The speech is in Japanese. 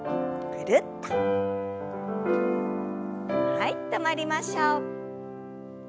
はい止まりましょう。